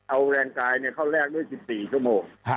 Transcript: เอาแรงกายเข้าแลกด้วย๑๔ชั่วโมง